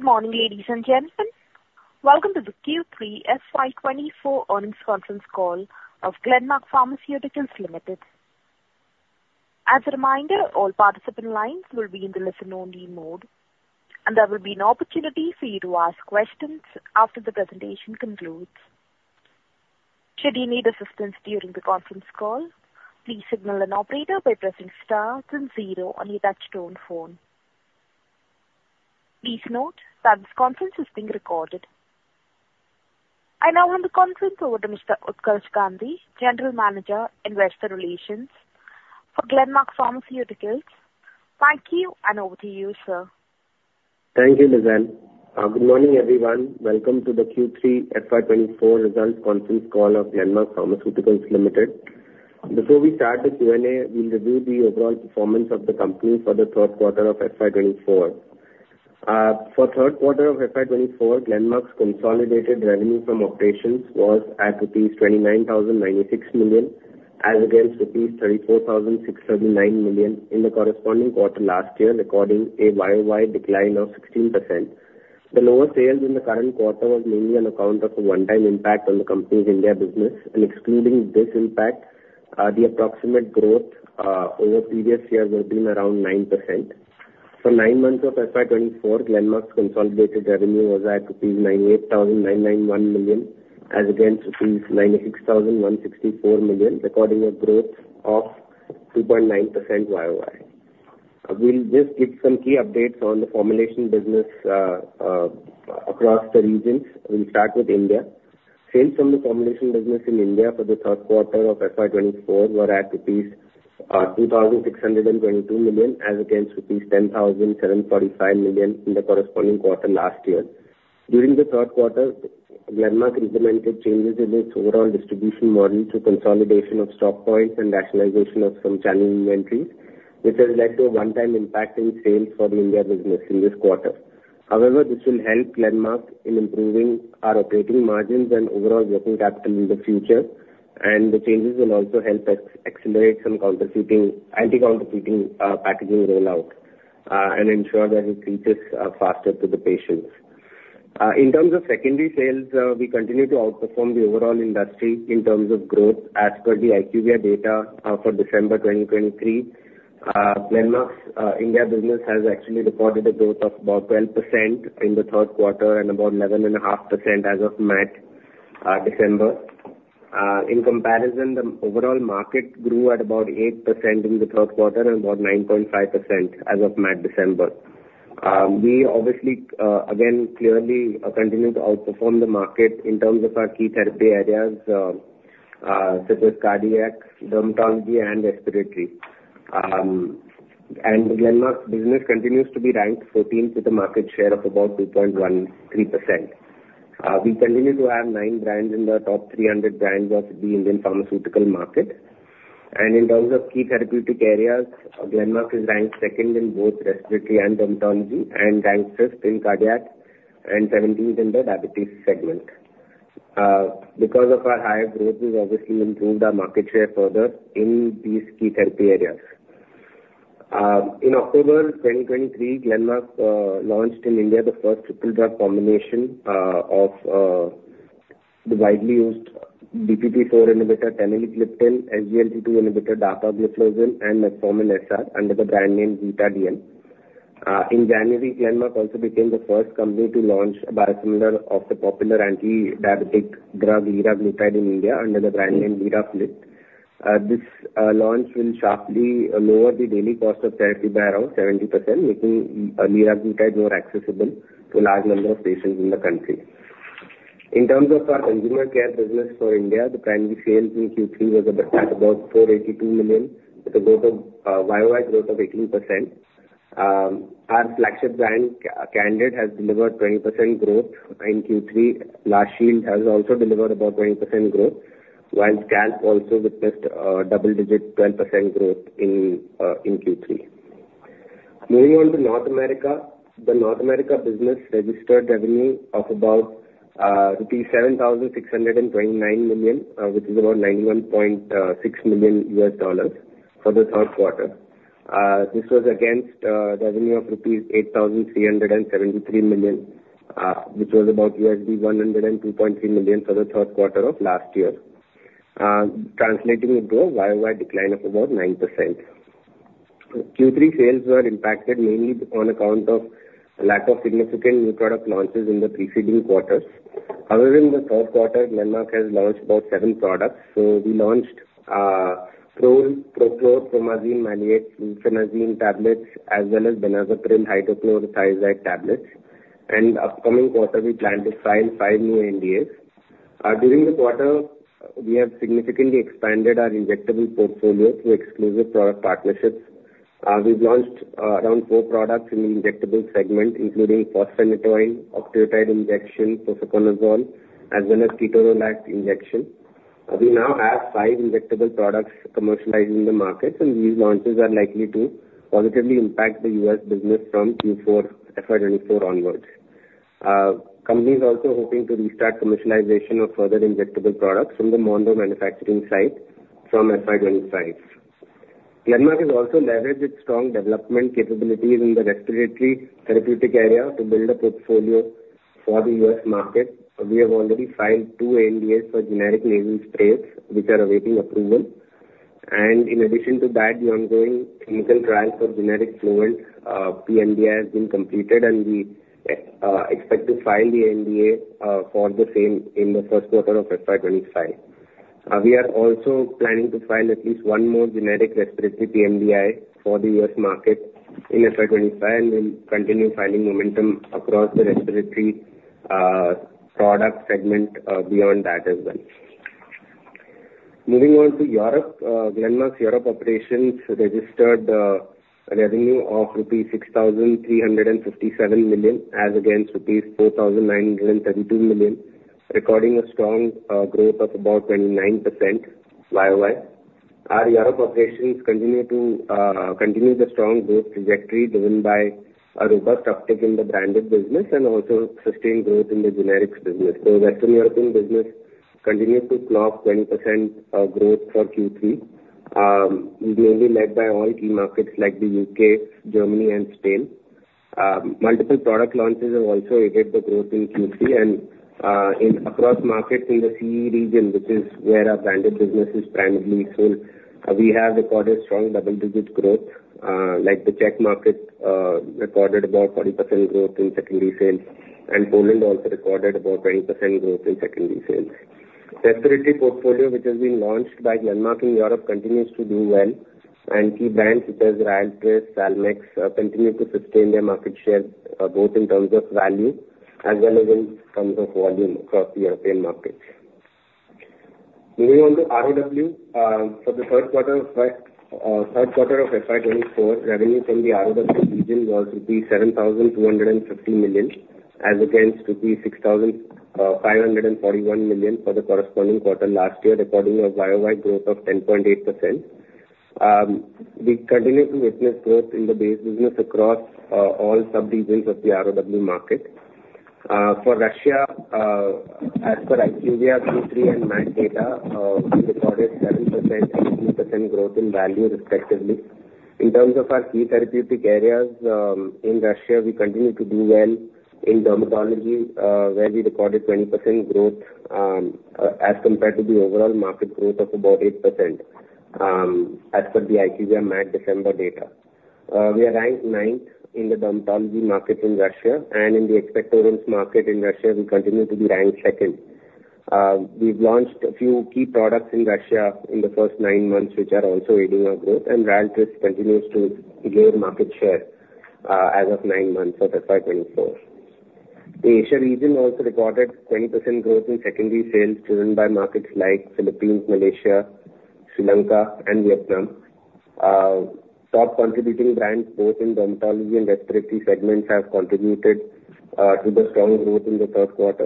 Good morning, ladies and gentlemen. Welcome to the Q3 FY 2024 earnings conference call of Glenmark Pharmaceuticals Limited. As a reminder, all participant lines will be in the listen-only mode, and there will be an opportunity for you to ask questions after the presentation concludes. Should you need assistance during the conference call, please signal an operator by pressing star then zero on your touch-tone phone. Please note that this conference is being recorded. I now hand the conference over to Mr. Utkarsh Gandhi, General Manager Investor Relations for Glenmark Pharmaceuticals. Thank you, and over to you, sir. Thank you, Lizanne. Good morning, everyone. Welcome to the Q3 FY 2024 results conference call of Glenmark Pharmaceuticals Limited. Before we start the Q&A, we'll review the overall performance of the company for the third quarter of FY 2024. For third quarter of FY 2024, Glenmark's consolidated revenue from operations was at rupees 29,096 million as against rupees 34,639 million in the corresponding quarter last year, recording a year-over-year decline of 16%. The lowest sales in the current quarter was mainly on account of a one-time impact on the company's India business. Excluding this impact, the approximate growth over previous years would have been around 9%. For nine months of FY 2024, Glenmark's consolidated revenue was at INR 98,991 million as against INR 96,164 million, recording a growth of 2.9% year-over-year. We'll just give some key updates on the formulation business across the regions. We'll start with India. Sales from the formulation business in India for the third quarter of FY 2024 were at rupees 2,622 million as against rupees 10,745 million in the corresponding quarter last year. During the third quarter, Glenmark implemented changes in its overall distribution model to consolidation of stock points and rationalization of some channel inventories, which has led to a one-time impact in sales for the India business in this quarter. However, this will help Glenmark in improving our operating margins and overall working capital in the future. The changes will also help accelerate some anti-counterfeiting packaging rollout and ensure that it reaches faster to the patients. In terms of secondary sales, we continue to outperform the overall industry in terms of growth. As per the IQVIA data for December 2023, Glenmark's India business has actually recorded a growth of about 12% in the third quarter and about 11.5% as of mid-December. In comparison, the overall market grew at about 8% in the third quarter and about 9.5% as of mid-December. We obviously, again, clearly continue to outperform the market in terms of our key therapy areas such as cardiac, dermatology, and respiratory. And Glenmark's business continues to be ranked 14th with a market share of about 2.13%. We continue to have nine brands in the top 300 brands of the Indian pharmaceutical market. And in terms of key therapeutic areas, Glenmark is ranked second in both respiratory and dermatology, and ranked fifth in cardiac, and 17th in the diabetes segment. Because of our higher growth, we've obviously improved our market share further in these key therapy areas. In October 2023, Glenmark launched in India the first triple-drug combination of the widely used DPP-4 inhibitor teneligliptin, SGLT2 inhibitor dapagliflozin, and metformin SR under the brand name Zita-DM. In January, Glenmark also became the first company to launch a biosimilar of the popular antidiabetic drug liraglutide in India under the brand name Lirafit. This launch will sharply lower the daily cost of therapy by around 70%, making liraglutide more accessible to a large number of patients in the country. In terms of our consumer care business for India, the primary sales in Q3 was at about 482 million with a year-over-year growth of 18%. Our flagship brand, Candid, has delivered 20% growth in Q3. La Shield has also delivered about 20% growth, while Scalpe also witnessed a double-digit 12% growth in Q3. Moving on to North America, the North America business registered revenue of about Rs. 7,629 million, which is about $91.6 million for the third quarter. This was against revenue of rupees 8,373 million, which was about $102.3 million for the third quarter of last year, translating into a year-over-year decline of about 9%. Q3 sales were impacted mainly on account of a lack of significant new product launches in the preceding quarters. However, in the third quarter, Glenmark has launched about seven products. So we launched prochlorperazine maleate, sulfasalazine tablets as well as benazepril hydrochlorothiazide tablets. Upcoming quarter, we plan to sign five new NDAs. During the quarter, we have significantly expanded our injectable portfolio through exclusive product partnerships. We've launched around four products in the injectable segment, including fosphenytoin, octreotide injection, posaconazole, as well as ketorolac injection. We now have five injectable products commercialized in the markets, and these launches are likely to positively impact the U.S. business from Q4 FY 2024 onwards. Company is also hoping to restart commercialization of further injectable products from the Monroe manufacturing site from FY 2025. Glenmark has also leveraged its strong development capabilities in the respiratory therapeutic area to build a portfolio for the U.S. market. We have already signed two NDAs for generic nasal sprays, which are awaiting approval. In addition to that, the ongoing clinical trial for generic Flovent pMDI has been completed, and we expect to file the NDA for the same in the first quarter of FY 2025. We are also planning to file at least one more generic respiratory pMDI for the U.S. market in FY 2025, and we'll continue finding momentum across the respiratory product segment beyond that as well. Moving on to Europe, Glenmark's Europe operations registered a revenue of 6,357 million rupees as against 4,932 million rupees, recording a strong growth of about 29% year-over-year. Our Europe operations continue to continue the strong growth trajectory driven by a robust uptick in the branded business and also sustained growth in the generics business. Western European business continues to clock 20% growth for Q3, mainly led by all key markets like the UK, Germany, and Spain. Multiple product launches have also aided the growth in Q3. Across markets in the CE region, which is where our branded business is primarily sold, we have recorded strong double-digit growth. The Czech market recorded about 40% growth in secondary sales, and Poland also recorded about 20% growth in secondary sales. Respiratory portfolio, which has been launched by Glenmark in Europe, continues to do well. Key brands such as Ryaltris, Salmex continue to sustain their market share both in terms of value as well as in terms of volume across the European markets. Moving on to ROW, for the third quarter of FY 2024, revenue from the ROW region was rupees 7,250 million as against rupees 6,541 million for the corresponding quarter last year, recording a year-over-year growth of 10.8%. We continue to witness growth in the base business across all subregions of the ROW market. For Russia, as per IQVIA Q3 and MAT data, we recorded 7% and 18% growth in value, respectively. In terms of our key therapeutic areas in Russia, we continue to do well in dermatology, where we recorded 20% growth as compared to the overall market growth of about 8% as per the IQVIA MAT December data. We are ranked ninth in the dermatology market in Russia, and in the expectorants market in Russia, we continue to be ranked second. We've launched a few key products in Russia in the first nine months, which are also aiding our growth. Ryaltris continues to gain market share as of nine months of FY 2024. The Asia region also recorded 20% growth in secondary sales driven by markets like Philippines, Malaysia, Sri Lanka, and Vietnam. Top contributing brands both in dermatology and respiratory segments have contributed to the strong growth in the third quarter.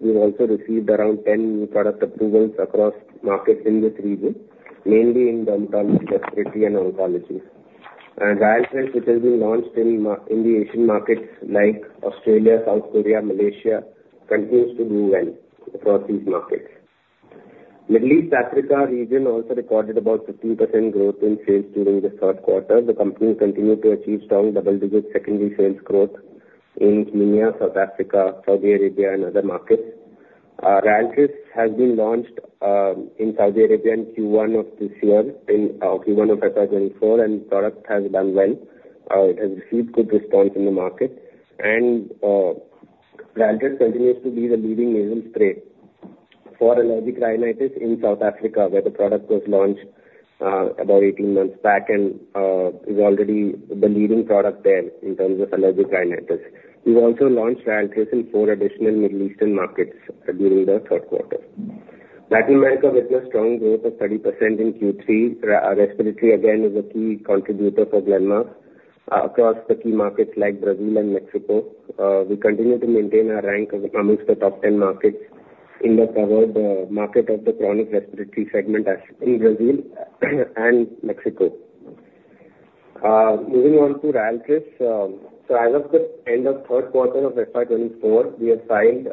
We've also received around 10 new product approvals across markets in this region, mainly in dermatology, respiratory, and oncology. Ryaltris, which has been launched in the Asian markets like Australia, South Korea, and Malaysia, continues to do well across these markets. Middle East Africa region also recorded about 15% growth in sales during the third quarter. The company continued to achieve strong double-digit secondary sales growth in Kenya, South Africa, Saudi Arabia, and other markets. Ryaltris has been launched in Saudi Arabia in Q1 of this year or Q1 of FY 2024, and the product has done well. It has received good response in the market. Ryaltris continues to be the leading nasal spray for allergic rhinitis in South Africa, where the product was launched about 18 months back and is already the leading product there in terms of allergic rhinitis. We've also launched Ryaltris in four additional Middle Eastern markets during the third quarter. Latin America witnessed strong growth of 30% in Q3. Respiratory, again, is a key contributor for Glenmark across the key markets like Brazil and Mexico. We continue to maintain our rank amongst the top 10 markets in the covered market of the chronic respiratory segment in Brazil and Mexico. Moving on to Ryaltris, so as of the end of third quarter of FY 2024, we have signed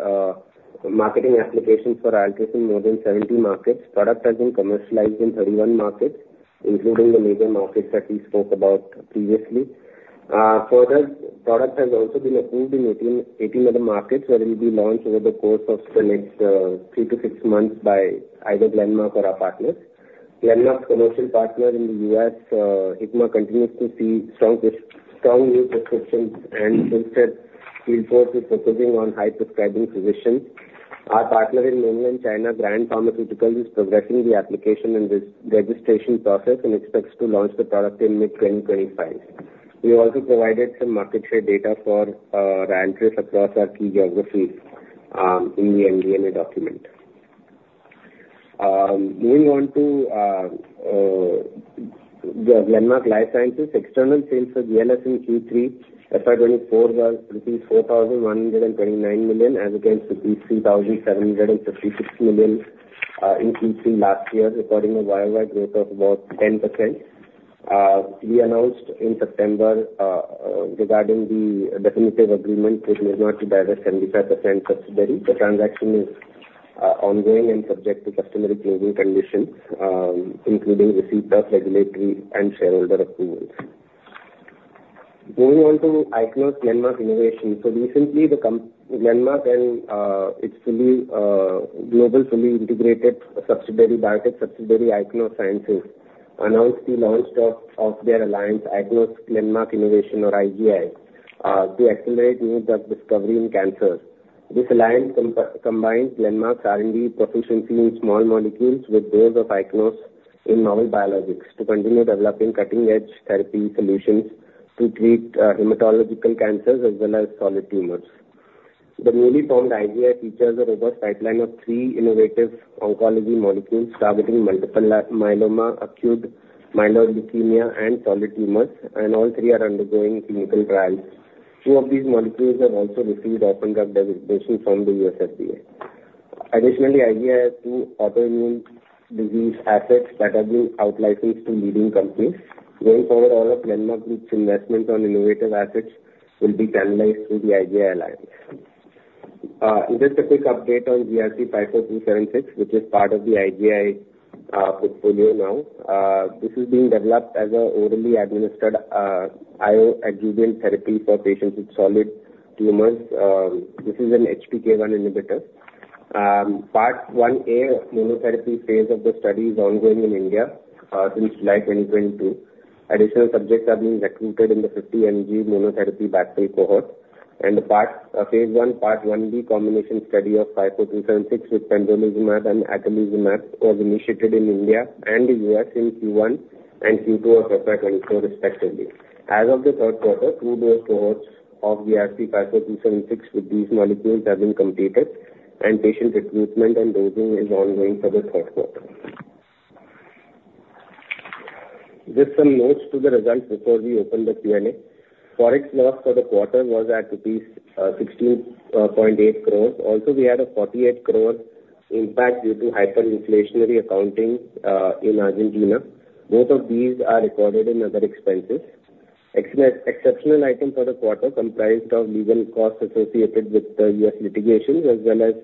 marketing applications for Ryaltris in more than 70 markets. Product has been commercialized in 31 markets, including the major markets that we spoke about previously. Further, product has also been approved in 18 other markets, where it will be launched over the course of the next 3 months-6 months by either Glenmark or our partners. Glenmark's commercial partner in the U.S., Hikma, continues to see strong use prescriptions, and sales force is focusing on high-prescribing physicians. Our partner in mainland China, Grand Pharmaceuticals, is progressing the application and registration process and expects to launch the product in mid-2025. We also provided some market share data for Ryaltris across our key geographies in the MD&A document. Moving on to Glenmark Life Sciences, external sales for GLS in Q3 FY 2024 were rupees 4,129 million as against rupees 3,756 million in Q3 last year, recording a year-on-year growth of about 10%. We announced in September regarding the definitive agreement which was to divest 75% subsidiary. The transaction is ongoing and subject to customary closing conditions, including receipt of regulatory and shareholder approvals. Moving on to Ichnos Glenmark Innovation. So recently, Glenmark and its global fully integrated subsidiary biotech subsidiary Ichnos Sciences announced the launch of their alliance, Ichnos Glenmark Innovation or IGI, to accelerate new drug discovery in cancer. This alliance combines Glenmark's R&D proficiency in small molecules with those of Ichnos in novel biologics to continue developing cutting-edge therapy solutions to treat hematological cancers as well as solid tumors. The newly formed IGI features a robust pipeline of three innovative oncology molecules targeting multiple myeloma, acute myeloid leukemia, and solid tumors, and all three are undergoing clinical trials. Two of these molecules have also received orphan drug designation from the U.S. FDA. Additionally, IGI has two autoimmune disease assets that have been outlicensed to leading companies. Going forward, all of Glenmark Group's investments on innovative assets will be channeled through the IGI alliance. Just a quick update on GRC-54276, which is part of the IGI portfolio now. This is being developed as an orally administered neoadjuvant therapy for patients with solid tumors. This is an HPK1 inhibitor. Part 1A monotherapy phase of the study is ongoing in India since July 2022. Additional subjects are being recruited in the 50 mg monotherapy batch cohort. Phase 1, Part 1B combination study of GRC-54276 with pembrolizumab and atezolizumab was initiated in India and the U.S. in Q1 and Q2 of FY 2024, respectively. As of the third quarter, 2 dose cohorts of GRC-54276 with these molecules have been completed, and patient recruitment and dosing is ongoing for the third quarter. Just some notes to the results before we open the Q&A. Forex loss for the quarter was at rupees 16.8 crores. Also, we had a 48 crore impact due to hyperinflationary accounting in Argentina. Both of these are recorded in other expenses. Exceptional item for the quarter comprised of legal costs associated with the U.S. litigations as well as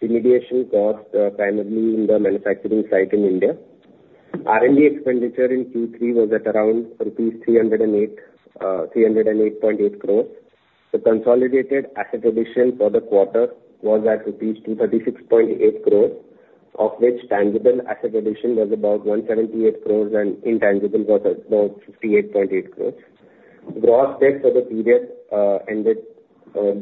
remediation costs, primarily in the manufacturing site in India. R&D expenditure in Q3 was at around 308.8 crores. The consolidated asset addition for the quarter was at Rs. 236.8 crores, of which tangible asset addition was about 178 crores and intangible was about 58.8 crores. Gross debt for the period ended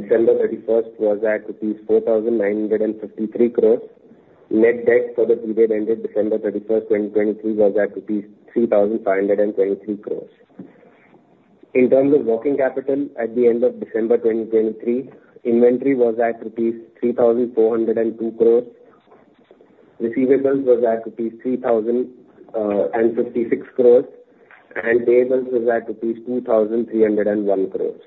December 31st was at INR 4,953 crores. Net debt for the period ended December 31st, 2023, was at INR 3,523 crores. In terms of working capital, at the end of December 2023, inventory was at rupees 3,402 crores. Receivables was at rupees 3,056 crores, and payables was at rupees 2,301 crores.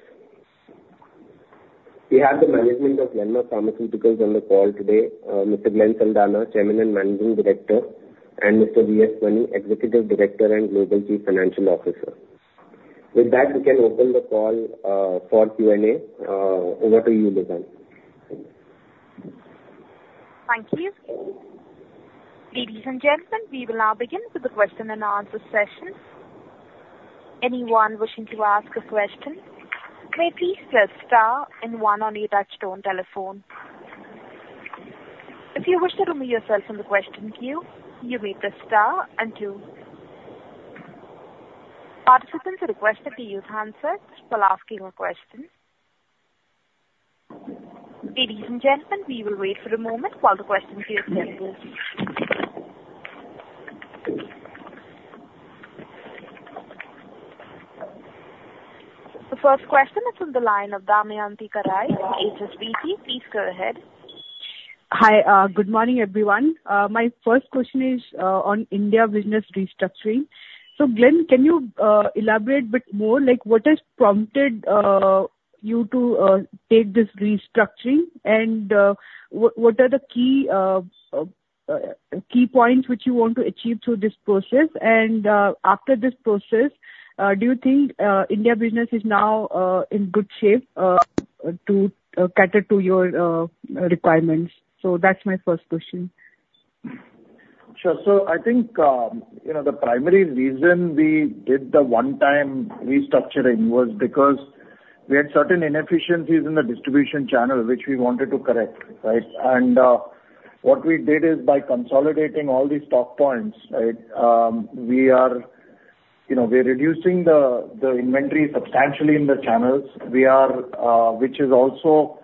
We have the management of Glenmark Pharmaceuticals on the call today, Mr. Glenn Saldanha, Chairman and Managing Director, and Mr. V. S. Mani, Executive Director and Global Chief Financial Officer. With that, we can open the call for Q&A. Over to you, Lizanne. Thank you. Ladies and gentlemen, we will now begin with the question-and-answer session. Anyone wishing to ask a question may please press star and one on your touch-tone telephone. If you wish to remain on the question queue, you may press star and two. Participants are requested to use hands up while asking a question. Ladies and gentlemen, we will wait for a moment while the question queue is being filled. The first question is from the line of Damayanti Kerai from HSBC. Please go ahead. Hi. Good morning, everyone. My first question is on India business restructuring. So Glenn, can you elaborate a bit more? What has prompted you to take this restructuring, and what are the key points which you want to achieve through this process? And after this process, do you think India business is now in good shape to cater to your requirements? So that's my first question. Sure. So I think the primary reason we did the one-time restructuring was because we had certain inefficiencies in the distribution channel, which we wanted to correct, right? What we did is by consolidating all these stock points, right, we are reducing the inventory substantially in the channels, which is also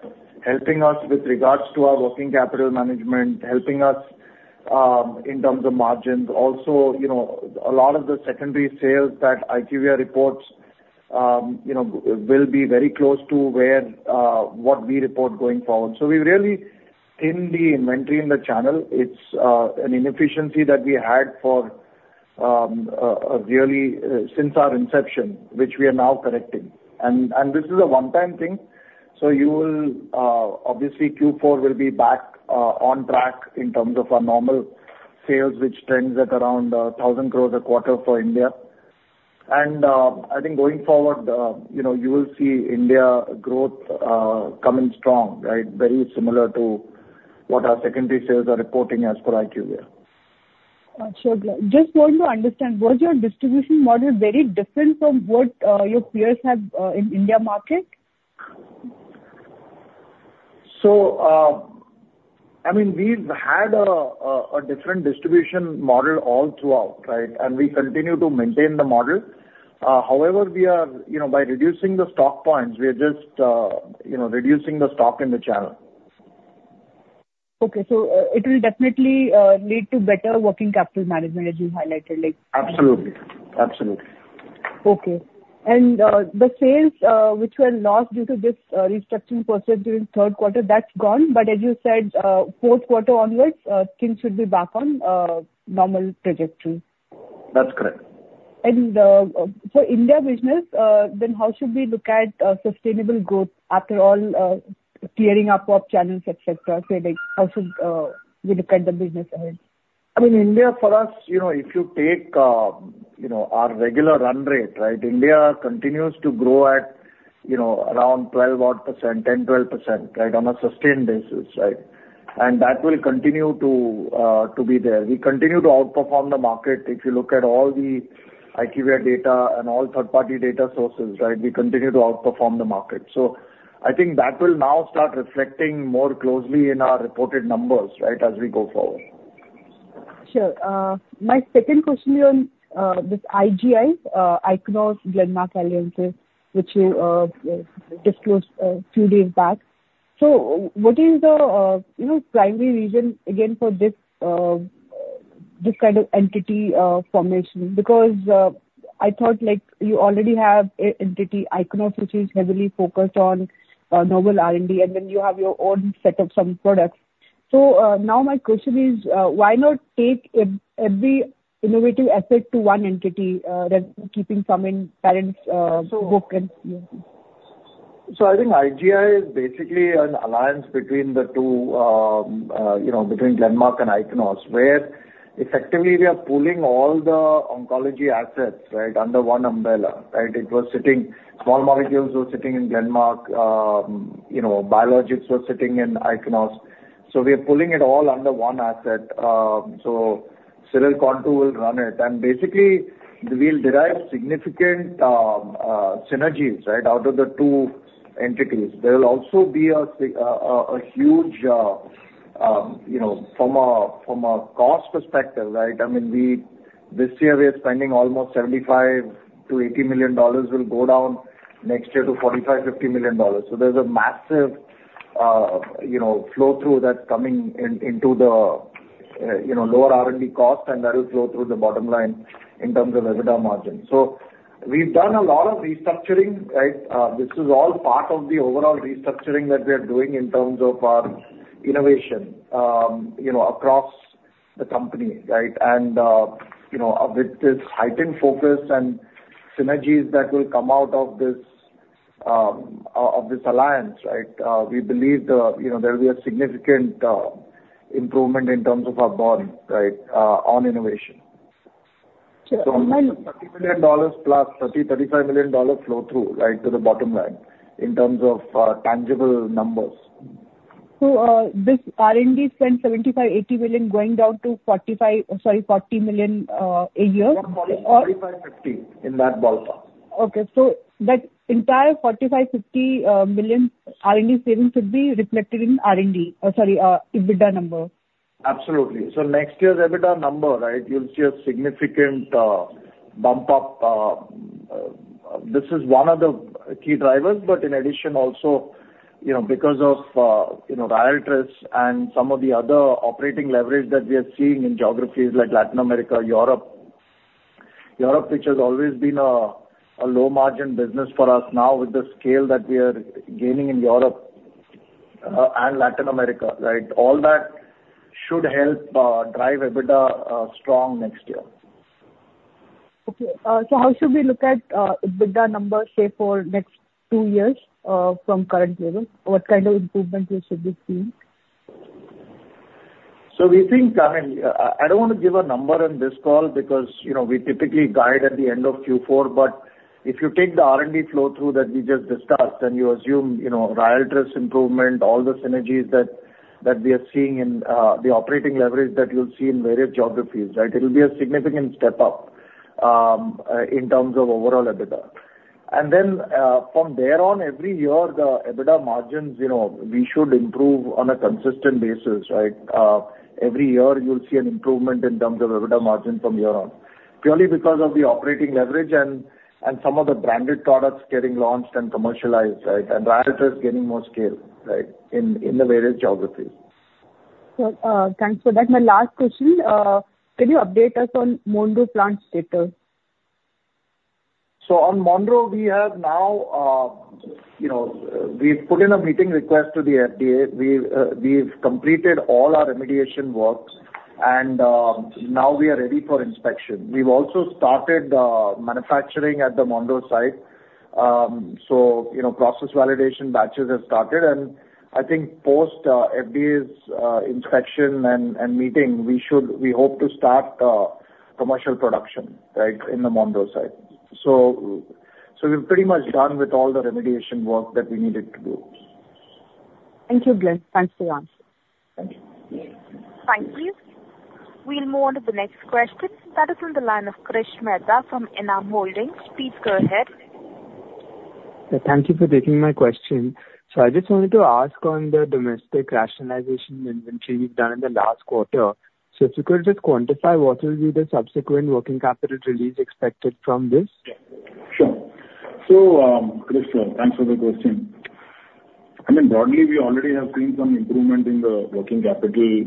helping us with regards to our working capital management, helping us in terms of margins. Also, a lot of the secondary sales that IQVIA reports will be very close to what we report going forward. So we really thin the inventory in the channel. It's an inefficiency that we had since our inception, which we are now correcting. And this is a one-time thing. So obviously, Q4 will be back on track in terms of our normal sales, which trends at around 1,000 crore a quarter for India. And I think going forward, you will see India growth coming strong, right, very similar to what our secondary sales are reporting as per IQVIA. Sure, Glenn. Just wanting to understand, was your distribution model very different from what your peers have in India market? So I mean, we've had a different distribution model all throughout, right? And we continue to maintain the model. However, by reducing the stock points, we are just reducing the stock in the channel. Okay. So it will definitely lead to better working capital management, as you highlighted. Absolutely. Absolutely. Okay. And the sales, which were lost due to this restructuring process during third quarter, that's gone. But as you said, fourth quarter onwards, things should be back on normal trajectory. That's correct. And for India business, then how should we look at sustainable growth after all clearing up of channels, etc.? How should we look at the business ahead? I mean, India for us, if you take our regular run rate, right, India continues to grow at around 12%, 10%, 12%, right, on a sustained basis, right? And that will continue to be there. We continue to outperform the market. If you look at all the IQVIA data and all third-party data sources, right, we continue to outperform the market. So I think that will now start reflecting more closely in our reported numbers, right, as we go forward. Sure. My second question here on this IGI, Ichnos Glenmark Innovation, which you disclosed a few days back. So what is the primary reason, again, for this kind of entity formation? Because I thought you already have entity Ichnos, which is heavily focused on novel R&D, and then you have your own set of some products. So now my question is, why not take every innovative asset to one entity, keeping some in parents' book? So I think IGI is basically an alliance between the two, between Glenmark and Ichnos, where effectively, we are pulling all the oncology assets, right, under one umbrella, right? Small molecules were sitting in Glenmark. Biologics were sitting in Ichnos. So we are pulling it all under one asset. So Cyril Konto will run it. And basically, we'll derive significant synergies, right, out of the two entities. There will also be a huge from a cost perspective, right? I mean, this year, we are spending almost $75 million-$80 million will go down next year to $45 million-$50 million. So there's a massive flow-through that's coming into the lower R&D cost, and that will flow through the bottom line in terms of EBITDA margin. So we've done a lot of restructuring, right? This is all part of the overall restructuring that we are doing in terms of our innovation across the company, right? And with this heightened focus and synergies that will come out of this alliance, right, we believe there will be a significant improvement in terms of our bond, right, on innovation. So $30 million plus $30 million-$35 million flow-through, right, to the bottom line in terms of tangible numbers. So this R&D spend $75 million-80 million going down to $45 million sorry, $40 million a year? $45 million-$50 million in that ballpark. Okay. So that entire $45 million-$50 million R&D savings should be reflected in R&D – sorry, EBITDA number. Absolutely. So next year's EBITDA number, right, you'll see a significant bump-up. This is one of the key drivers. But in addition, also, because of Ryaltris and some of the other operating leverage that we are seeing in geographies like Latin America, Europe, which has always been a low-margin business for us now with the scale that we are gaining in Europe and Latin America, right, all that should help drive EBITDA strong next year. Okay. So how should we look at EBITDA numbers, say, for next two years from current level? What kind of improvement should we see? So I mean, I don't want to give a number on this call because we typically guide at the end of Q4. But if you take the R&D flow-through that we just discussed, then you assume Ryaltris improvement, all the synergies that we are seeing in the operating leverage that you'll see in various geographies, right, it will be a significant step-up in terms of overall EBITDA. And then from there on, every year, the EBITDA margins, we should improve on a consistent basis, right? Every year, you'll see an improvement in terms of EBITDA margin year-on-year purely because of the operating leverage and some of the branded products getting launched and commercialized, right, and Ryaltris gaining more scale, right, in the various geographies. So thanks for that. My last question, can you update us on Monroe plant status? So on Monroe, we have now we've put in a meeting request to the FDA. We've completed all our remediation works, and now we are ready for inspection. We've also started manufacturing at the Monroe site. So process validation batches have started. And I think post-FDA's inspection and meeting, we hope to start commercial production, right, in the Monroe site. So we're pretty much done with all the remediation work that we needed to do. Thank you, Glenn. Thanks for your answer. Thank you. Thank you. We'll move on to the next question. That is from the line of Krish Mehta from Enam Holdings. Please go ahead. Thank you for taking my question. So I just wanted to ask on the domestic rationalization inventory you've done in the last quarter. So if you could just quantify what will be the subsequent working capital release expected from this? Sure. So Krish Mehta, thanks for the question. I mean, broadly, we already have seen some improvement in the working capital.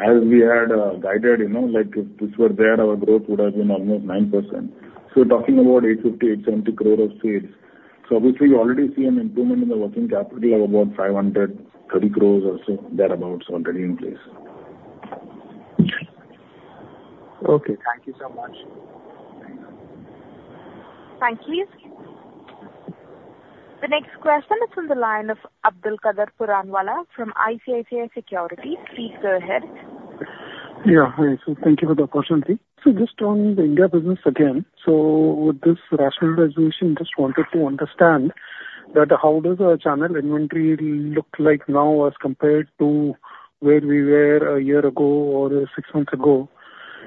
As we had guided, if this were there, our growth would have been almost 9%. So we're talking about 850-870 crore of sales. So obviously, we already see an improvement in the working capital of about 530 crores or so, thereabouts, already in place. Okay. Thank you so much. Thank you. The next question is from the line of Abdulkader Puranwala from ICICI Securities. Please go ahead. Yeah. So thank you for the opportunity. So just on the India business again, so with this rationalization, just wanted to understand that how does our channel inventory look like now as compared to where we were a year ago or six months ago?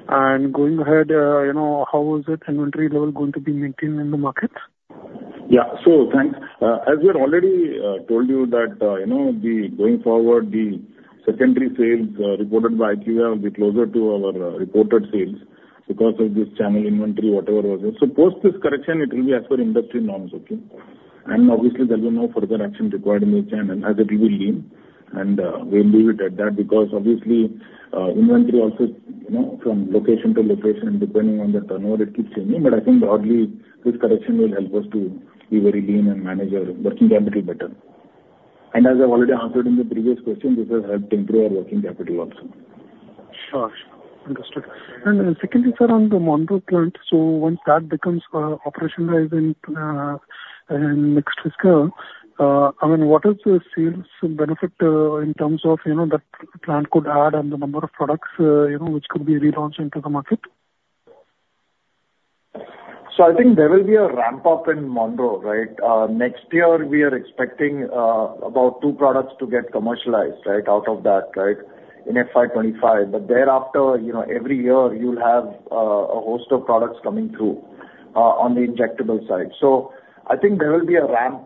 And going ahead, how is it inventory level going to be maintained in the market? Yeah. So thanks. As we already told you that going forward, the secondary sales reported by IQVIA will be closer to our reported sales because of this channel inventory, whatever was there. So post this correction, it will be as per industry norms, okay? And obviously, there will be no further action required in the channel as it will be lean. We'll leave it at that because obviously, inventory also from location to location, depending on the turnover, it keeps changing. But I think broadly, this correction will help us to be very lean and manage our working capital better. And as I already answered in the previous question, this has helped improve our working capital also. Sure. Understood. And secondly, sir, on the Monroe plant, so once that becomes operationalized and full scale, I mean, what is the sales benefit in terms of that plant could add on the number of products which could be relaunched into the market? So I think there will be a ramp-up in Monroe, right? Next year, we are expecting about two products to get commercialized, right, out of that, right, in FY 2025. But thereafter, every year, you'll have a host of products coming through on the injectable side. So I think there will be a ramp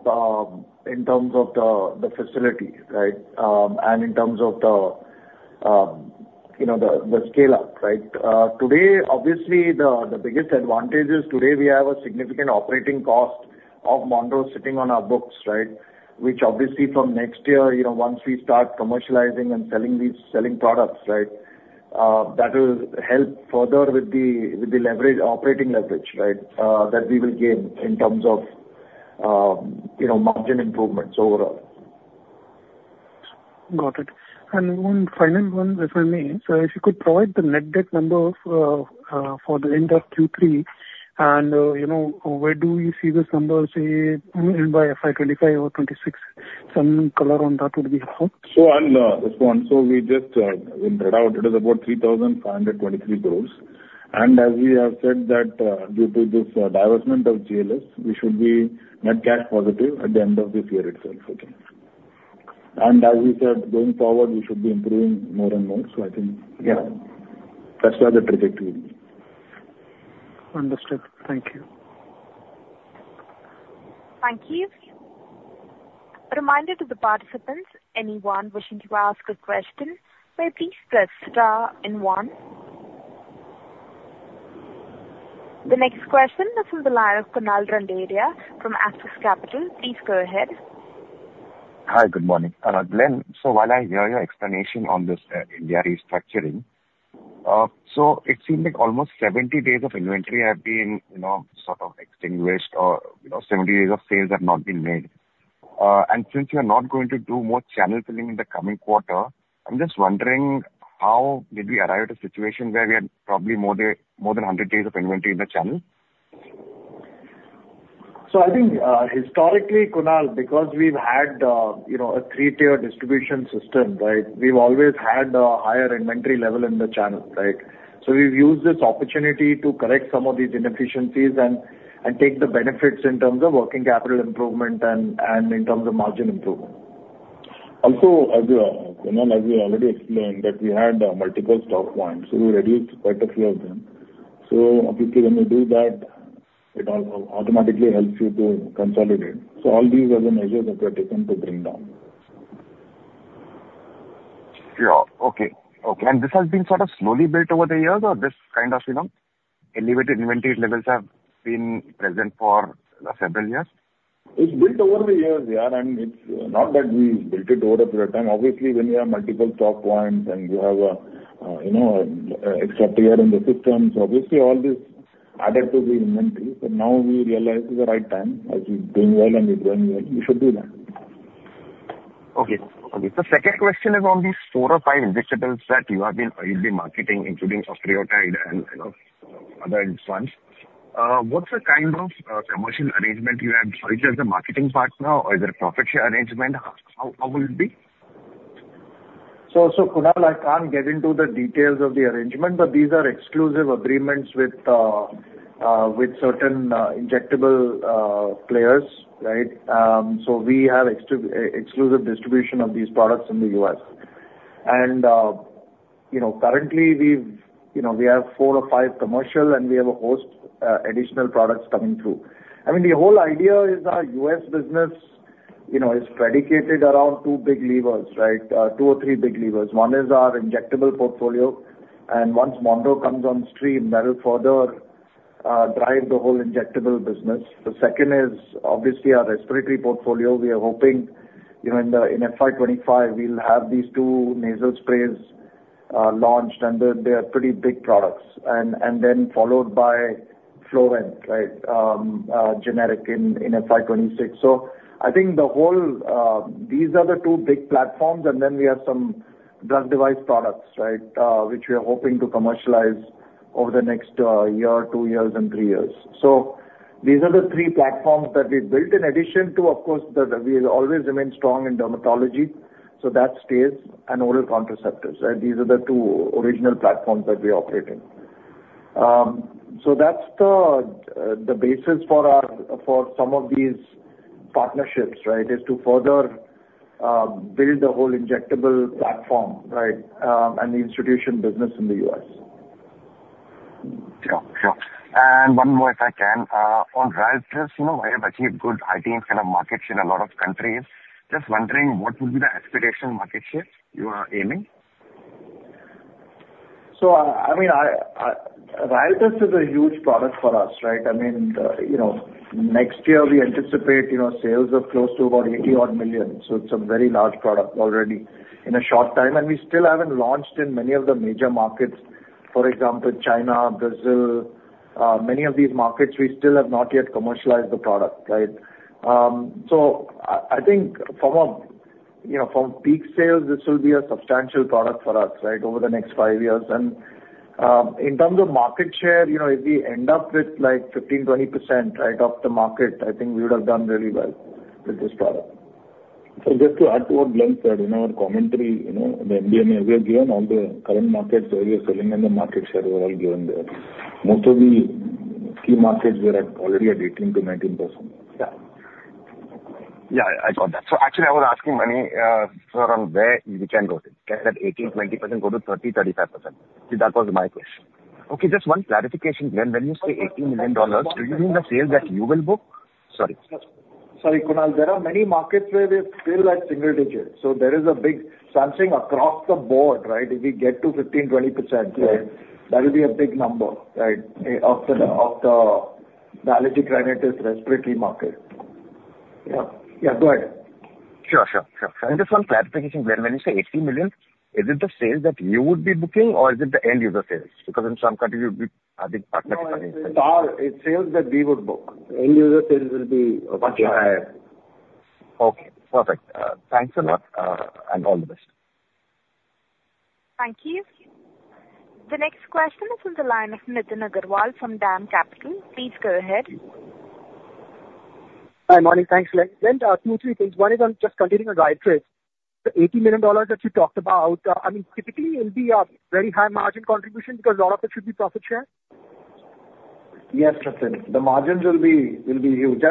in terms of the facility, right, and in terms of the scale-up, right? Today, obviously, the biggest advantage is today, we have a significant operating cost of Monroe sitting on our books, right, which obviously, from next year, once we start commercializing and selling products, right, that will help further with the operating leverage, right, that we will gain in terms of margin improvements overall. Got it. And one final one, if I may. So if you could provide the net debt number for the end of Q3, and where do you see this number, say, by FY 2025 or FY 2026? Some color on that would be helpful. So on this one, so we just read out, it is about 3,523 crore. As we have said that due to this divestment of GLS, we should be net cash positive at the end of this year itself, okay? As we said, going forward, we should be improving more and more. I think that's where the trajectory will be. Understood. Thank you. Thank you. Reminder to the participants, anyone wishing to ask a question, may please press star and one. The next question is from the line of Kunal Randeria from Axis Capital. Please go ahead. Hi. Good morning. Glenn, so while I hear your explanation on this India restructuring, so it seemed like almost 70 days of inventory have been sort of extinguished or 70 days of sales have not been made. Since you're not going to do more channel filling in the coming quarter, I'm just wondering, how did we arrive at a situation where we had probably more than 100 days of inventory in the channel? So I think historically, Kunal, because we've had a three-tier distribution system, right, we've always had a higher inventory level in the channel, right? So we've used this opportunity to correct some of these inefficiencies and take the benefits in terms of working capital improvement and in terms of margin improvement. Also, Kunal, as we already explained, that we had multiple stock points. So we reduced quite a few of them. So obviously, when you do that, it automatically helps you to consolidate. So all these are the measures that we are taking to bring down. Sure. Okay. Okay. This has been sort of slowly built over the years, or this kind of elevated inventory levels have been present for several years? It's built over the years, yeah. It's not that we built it over a period of time. Obviously, when you have multiple stock points and you have an extra tier in the system, so obviously, all this added to the inventory. But now we realize it's the right time. As we're doing well and we're growing well, we should do that. Okay. Okay. So second question is on these four or five injectibles that you have been marketing, including Octreotide and other funds. What's the kind of commercial arrangement you have? So is there a marketing partner, or is there a profit share arrangement? How will it be? So Kunal, I can't get into the details of the arrangement, but these are exclusive agreements with certain injectable players, right? So we have exclusive distribution of these products in the U.S. And currently, we have four or five commercial, and we have a host additional products coming through. I mean, the whole idea is our U.S. business is predicated around two big levers, right, two or three big levers. One is our injectable portfolio. And once Monroe comes on stream, that will further drive the whole injectable business. The second is obviously our respiratory portfolio. We are hoping in FY 2025, we'll have these two nasal sprays launched, and they are pretty big products, and then followed by Flovent, right, generic in FY 2026. So I think these are the two big platforms. Then we have some drug-device products, right, which we are hoping to commercialize over the next 1 year, 2 years, and 3 years. So these are the three platforms that we've built in addition to, of course, that we always remain strong in dermatology. So that stays, and oral contraceptives, right? These are the two original platforms that we operate in. So that's the basis for some of these partnerships, right, is to further build the whole injectable platform, right, and the institution business in the U.S. Sure. Sure. And one more, if I can. On Ryaltris, we have achieved good in terms of market share in a lot of countries. Just wondering, what would be the aspirational market share you are aiming? So I mean, Ryaltris is a huge product for us, right? I mean, next year, we anticipate sales of close to about $80 million. So it's a very large product already in a short time. And we still haven't launched in many of the major markets, for example, China, Brazil. Many of these markets, we still have not yet commercialized the product, right? So I think from peak sales, this will be a substantial product for us, right, over the next five years. And in terms of market share, if we end up with 15%-20%, right, of the market, I think we would have done really well with this product. So just to add to what Glenn said in our commentary, the MD&A, we are given all the current markets where we are selling, and the market share we're all given there. Most of the key markets, we are already at 18%-19%. Yeah. Yeah. I got that. Actually, I was asking Mani, sir, on where we can go to. Can that 18%-20% go to 30%-35%? See, that was my question. Okay. Just one clarification, Glenn. When you say $80 million, do you mean the sales that you will book? Sorry. Sorry, Kunal. There are many markets where we are still at single digits. So there is a big span across the board, right? If we get to 15%-20%, that will be a big number, right, of the allergic rhinitis respiratory market. Yeah. Yeah. Go ahead. Sure. Sure. Sure. Sure. Just one clarification, Glenn. When you say $80 million, is it the sales that you would be booking, or is it the end-user sales? Because in some countries, you would be, I think, partnership. It's sales that we would book. End-user sales will be much higher. Okay. Perfect. Thanks a lot, and all the best. Thank you. The next question is from the line of Nitin Agarwal from DAM Capital. Please go ahead. Hi, Mani. Thanks, Glenn. Glenn, two, three things. One is on just continuing Ryaltris. The $80 million that you talked about, I mean, typically, it'll be a very high-margin contribution because a lot of it should be profit share? Yes, Nitin. The margins will be huge.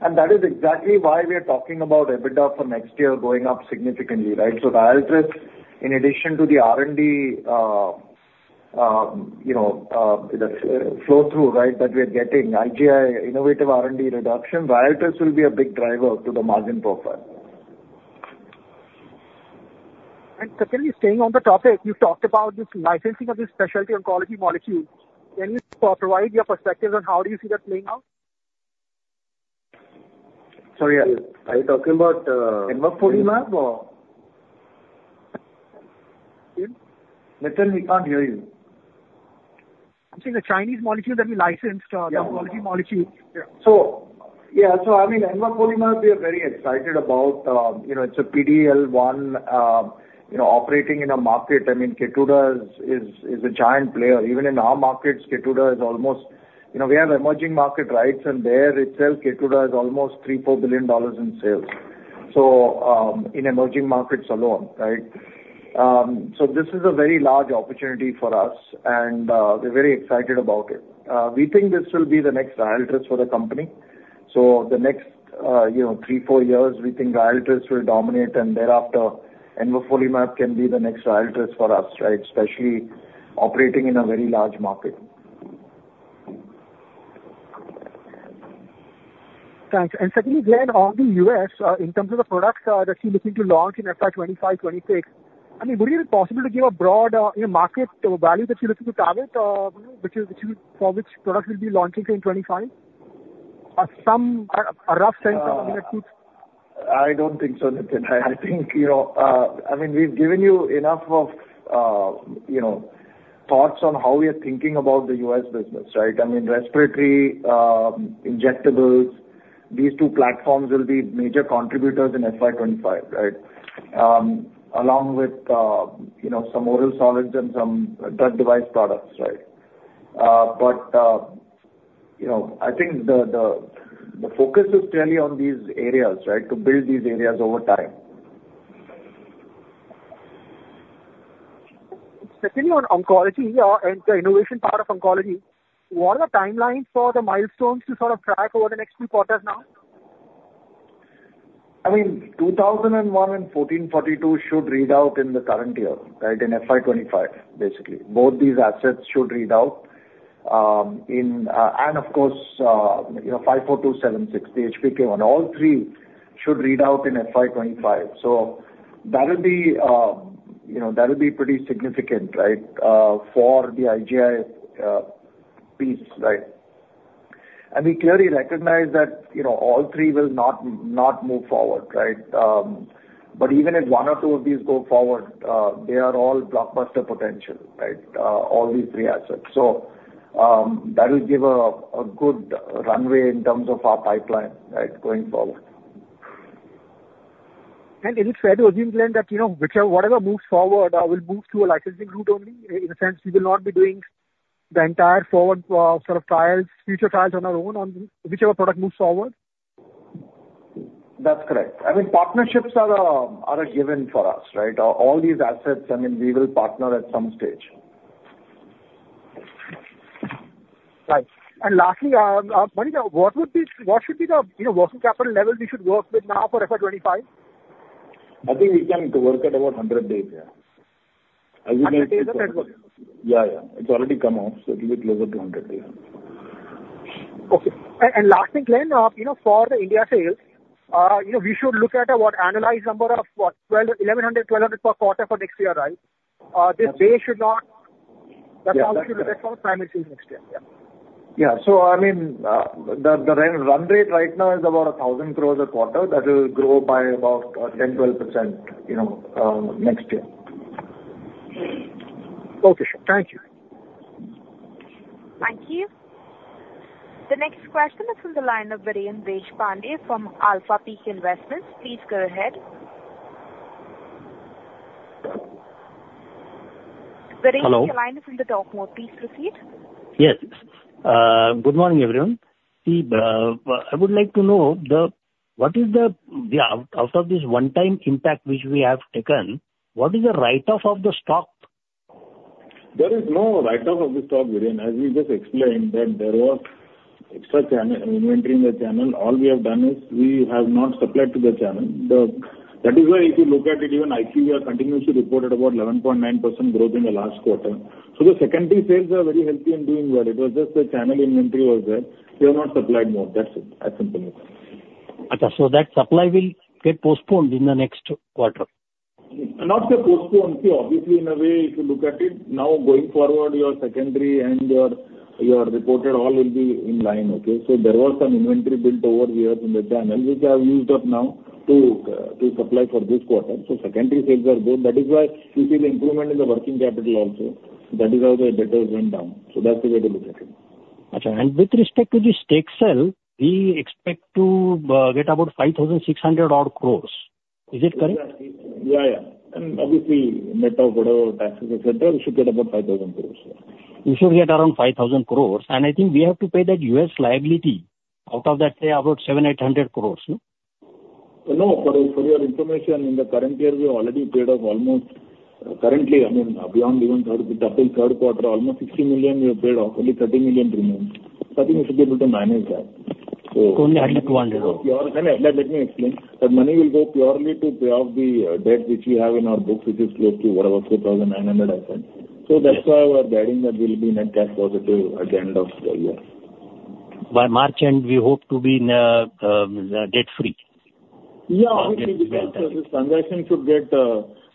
And that is exactly why we are talking about EBITDA for next year going up significantly, right? So Ryaltris, in addition to the R&D flow-through, right, that we are getting, IGI innovative R&D reduction, Ryaltris will be a big driver to the margin profile. And certainly, staying on the topic, you've talked about this licensing of this specialty oncology molecule. Can you provide your perspectives on how do you see that playing out? Sorry. Are you talking about envafolimab, or? Please? Nitin, we can't hear you. I'm saying the Chinese molecule that we licensed, the oncology molecule. Yeah. So yeah. So I mean, envafolimab, we are very excited about. It's a PD-L1 operating in a market. I mean, Keytruda is a giant player. Even in our markets, Keytruda is almost we have emerging market rights. And there itself, Keytruda is almost $3 billion-$4 billion in sales in emerging markets alone, right? So this is a very large opportunity for us, and we're very excited about it. We think this will be the next Ryaltris for the company. So the next 3 years-4 years, we think Ryaltris will dominate, and thereafter, envafolimab can be the next Ryaltris for us, right, especially operating in a very large market. Thanks. And certainly, Glenn, on the U.S., in terms of the products that you're looking to launch in FY 2025, FY 2026, I mean, would it be possible to give a broad market value that you're looking to target, which for which products will be launching in FY 2025? A rough sense of, I mean, it could. I don't think so, Nitin. I think, I mean, we've given you enough of thoughts on how we are thinking about the U.S. business, right? I mean, respiratory injectables, these two platforms will be major contributors in FY 2025, right, along with some oral solids and some drug-device products, right? But I think the focus is clearly on these areas, right, to build these areas over time. Certainly, on oncology and the innovation part of oncology, what are the timelines for the milestones to sort of track over the next few quarters now? I mean, 2001 and 1442 should read out in the current year, right, in FY 2025, basically. Both these assets should read out in and, of course, 54276, the HPK1. All three should read out in FY 2025. So that will be that will be pretty significant, right, for the IGI piece, right? And we clearly recognize that all three will not move forward, right? But even if one or two of these go forward, they are all blockbuster potential, right, all these three assets. So that will give a good runway in terms of our pipeline, right, going forward. And is it fair to assume, Glenn, that whatever moves forward will move through a licensing route only in the sense we will not be doing the entire forward sort of future trials on our own on whichever product moves forward? That's correct. I mean, partnerships are a given for us, right? All these assets, I mean, we will partner at some stage. Right. And lastly, Mani, what should be the working capital level we should work with now for FY 2025? I think we can work at about 100 days, yeah. As you mentioned. 100 days at that point? Yeah. Yeah. It's already come out. So it'll be closer to 100 days. Okay. And last thing, Glenn, for the India sales, we should look at what analyzed number of, what, 1,100 crore-1,200 crore per quarter for next year, right? This base should not. That's how we should look at for primary sales next year. Yeah. Yeah. So I mean, the run rate right now is about 1,000 crore a quarter. That will grow by about 10%-12% next year. Okay. Sure. Thank you. Thank you. The next question is from the line of Viren Deshpande from Alphapeak Investments. Please go ahead. Vereen, your line is in the talk mode. Please proceed. Yes. Good morning, everyone. See, I would like to know, what is the out of this one-time impact which we have taken, what is the write-off of the stock? There is no write-off of the stock, Vereen. As we just explained, that there was extra inventory in the channel. All we have done is we have not supplied to the channel. That is why, if you look at it, even IQVIA continues to report at about 11.9% growth in the last quarter. So the secondary sales are very healthy and doing well. It was just the channel inventory was there. We have not supplied more. That's it. As simple as that. Okay. So that supply will get postponed in the next quarter? Not get postponed. See, obviously, in a way, if you look at it, now going forward, your secondary and your reported all will be in line, okay? So there was some inventory built over the years in the channel, which I have used up now to supply for this quarter. So secondary sales are good. That is why you see the improvement in the working capital also. That is how the debtors went down. So that's the way to look at it. Okay. And with respect to the stake sell, we expect to get about 5,600-odd crore. Is it correct? Yeah. Yeah. And obviously, net of whatever, taxes, etc., we should get about 5,000 crore, yeah. We should get around 5,000 crore. And I think we have to pay that U.S. liability out of that, say, about 7,800 crore, no? No. For your information, in the current year, we already paid off almost currently, I mean, beyond even double third quarter, almost $60 million we have paid off. Only $30 million remains. So I think we should be able to manage that. So. Only [INR 200 crore] Let me explain. That money will go purely to pay off the debt which we have in our books, which is close to whatever, 4,900 crore, I said. So that's why we are guiding that we'll be net cash positive at the end of the year. By March end, we hope to be debt-free? Yeah. Obviously, because this transaction should get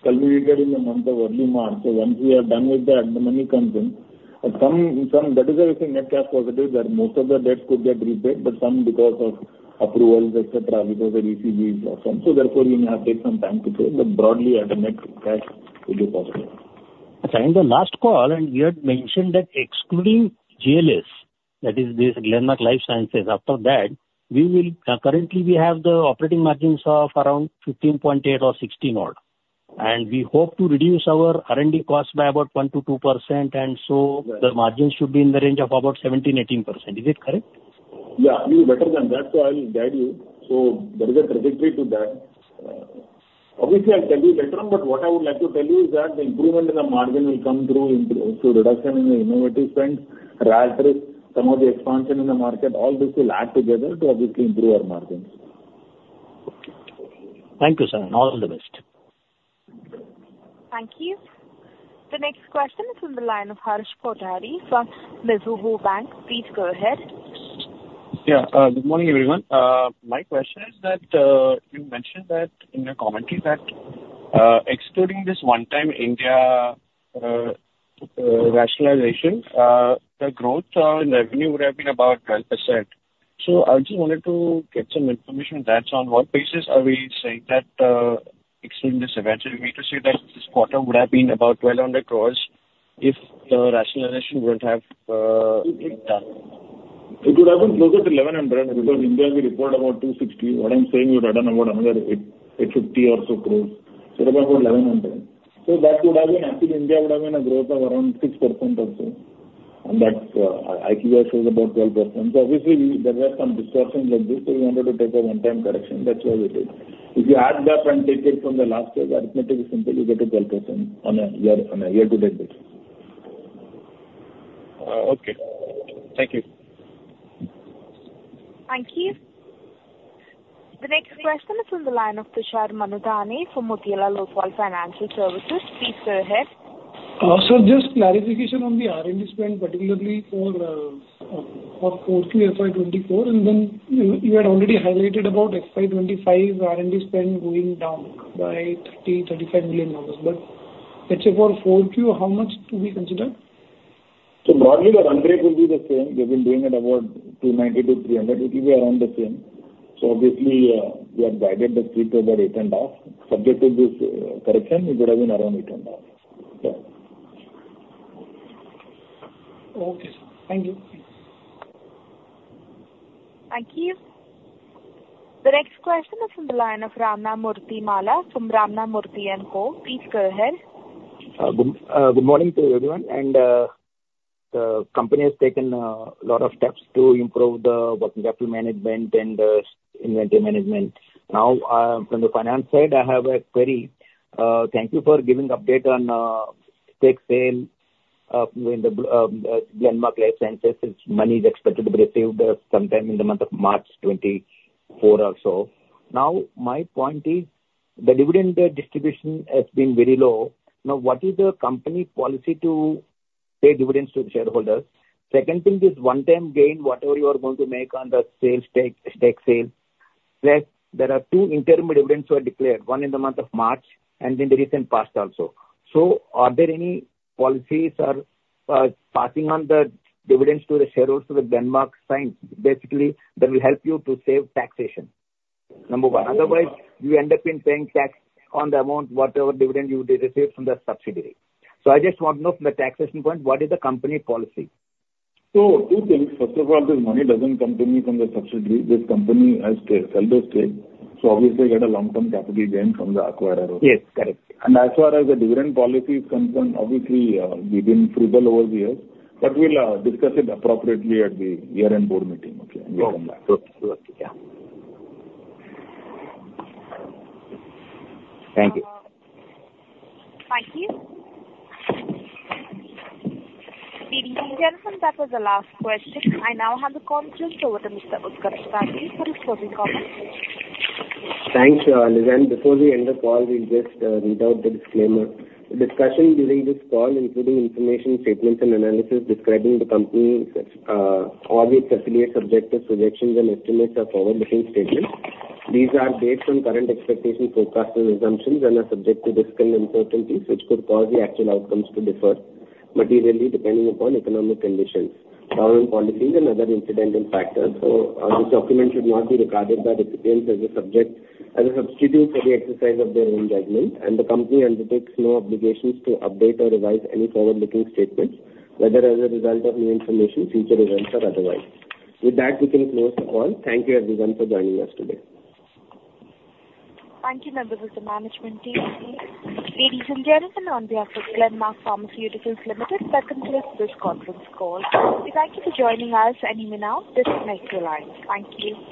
culminated in the month of early March. So once we are done with that, the money comes in. That is why we say net cash positive, that most of the debts could get repaid, but some because of approvals, etc., because of ECBs or some. So therefore, you may have taken some time to pay. But broadly, at a net cash, we'll be positive. Okay. In the last call, we had mentioned that excluding GLS, that is this Glenmark Life Sciences, after that, currently, we have the operating margins of around 15.8 or 16-odd. And we hope to reduce our R&D cost by about 1%-2%. And so the margins should be in the range of about 17%-18%. Is it correct? Yeah. You're better than that. So I'll guide you. So there is a trajectory to that. Obviously, I'll tell you later on. But what I would like to tell you is that the improvement in the margin will come through reduction in the innovative spend. Ryaltris, some of the expansion in the market, all this will add together to obviously improve our margins. Okay. Thank you, sir, and all the best. Thank you. The next question is from the line of Harsh Kothari from Mizuho Bank. Please go ahead. Yeah. Good morning, everyone. My question is that you mentioned in your commentary that excluding this one-time India rationalization, the growth in revenue would have been about 12%. So I just wanted to get some information on that. So on what basis are we saying that excluding this eventually, we need to say that this quarter would have been about 1,200 crore if the rationalization wouldn't have been done? It would have been closer to 1,100 crore because India, we report about 260 crore. What I'm saying, you'd have done about another 850 crore or so. So it would have been about 1,100 crore. So that would have been actually, India would have been a growth of around 6% or so. That IQVIA shows about 12%. So obviously, there were some distortions like this. So we wanted to take a one-time correction. That's why we did. If you add that and take it from the last year, the arithmetic is simple. You get to 12% on a year-to-date basis. Okay. Thank you. Thank you. The next question is from the line of Tushar Manudhane from Motilal Oswal Financial Services. Please go ahead. So just clarification on the R&D spend, particularly for 4Q FY 2024. And then you had already highlighted about FY 2025 R&D spend going down by $30 million-$35 million. But let's say for 4Q, how much do we consider? So broadly, the run rate will be the same. We have been doing it about $290 million-$300 million. It will be around the same. So obviously, we have guided the streak to about 8.5. Subject to this correction, it would have been around 8.5. Okay. Okay, sir. Thank you. Thank you. The next question is from the line of Ramana Murty Malla from Ramamoorthy & Co. Please go ahead. Good morning to everyone. The company has taken a lot of steps to improve the working capital management and inventory management. Now, from the finance side, I have a query. Thank you for giving update on stake sale in the Glenmark Life Sciences. Money is expected to be received sometime in the month of March 2024 or so. Now, my point is the dividend distribution has been very low. Now, what is the company policy to pay dividends to the shareholders? Second thing is one-time gain, whatever you are going to make on the stake sale. Plus, there are two interim dividends who are declared, one in the month of March and in the recent past also. So are there any policies passing on the dividends to the shareholders through the Glenmark lens, basically, that will help you to save taxation, number one? Otherwise, you end up paying tax on the amount, whatever dividend you receive from the subsidiary. So I just want to know from the taxation point, what is the company policy? So two things. First of all, this money doesn't come to me from the subsidiary. This company has sold the stake. So obviously, I get a long-term capital gain from the acquirer also. Yes. Correct. And as far as the dividend policy is concerned, obviously, we've been frugal over the years. But we'll discuss it appropriately at the year-end board meeting, okay? And we'll come back. Sure. Sure. Sure. Yeah. Thank you. Thank you. Ladies and gentlemen, that was the last question. I now hand the conference over to Mr. Utkarsh Gandhi for his closing comments. Thanks, Lizanne. Before we end the call, we'll just read out the disclaimer. The discussion during this call, including information, statements, and analysis describing the company's and all its affiliates' objectives, projections, and estimates are forward-looking statements. These are based on current expectations, forecasts, and assumptions, and are subject to risk and uncertainties, which could cause the actual outcomes to differ materially depending upon economic conditions, government policies, and other incidental factors. So this document should not be regarded by recipients as a substitute for the exercise of their own judgment. And the company undertakes no obligations to update or revise any forward-looking statements, whether as a result of new information, future events, or otherwise. With that, we can close the call. Thank you, everyone, for joining us today. Thank you, members of the management team. Ladies and gentlemen, on behalf of Glenmark Pharmaceuticals Limited, welcome to this conference call. We thank you for joining us. And even now, disconnect your line. Thank you.